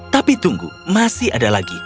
tapi tunggu masih ada lagi